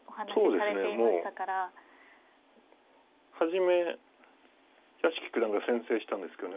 そうですねもう初め屋敷九段が先制したんですけどね